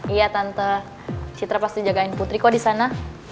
iya tante citra pasti jagain putri kok di sana